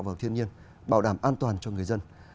vào thiên nhiên bảo đảm an toàn cho người dân